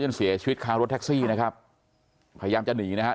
เสียชีวิตคารถแท็กซี่นะครับพยายามจะหนีนะครับ